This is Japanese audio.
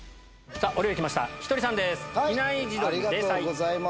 お料理来ましたひとりさんです。